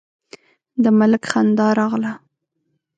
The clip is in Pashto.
د ملک خندا راغله: